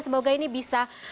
semoga ini bisa menolarkan